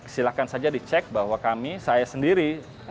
silahkan saja dicek bahwa kami saya sendiri